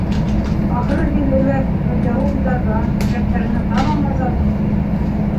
Ахыры, һин, өләс, донъяуи уйҙарҙан, теләктәреңдән тамам азатһың.